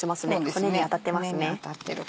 骨に当たってますね。